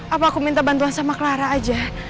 apa aku minta bantuan sama clara aja